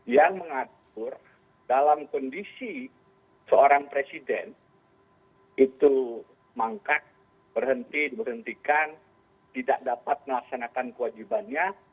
yang mengatur dalam kondisi seorang presiden itu mangkat berhenti diberhentikan tidak dapat melaksanakan kewajibannya